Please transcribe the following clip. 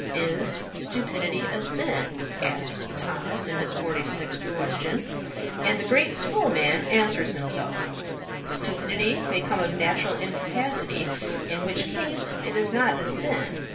Is stupidity a sin? asks Thomas in his Forty Sixth Question. And the great schoolman answers himself, "Stupidity may come of natural incapacity, in which case it is not a sin.